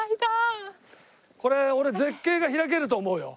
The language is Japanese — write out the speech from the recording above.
これ俺絶景が開けると思うよ。